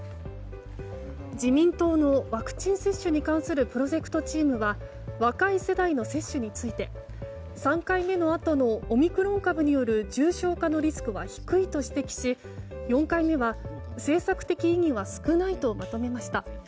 自民党のワクチン接種に関するプロジェクトチームは若い世代の接種について３回目のあとのオミクロン株による重症化のリスクは低いと指摘し４回目は政策的意義は少ないとまとめました。